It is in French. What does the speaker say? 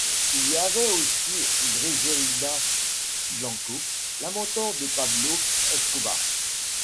Il y avait aussi Griselda Blanco, la mentor de Pablo Escobar.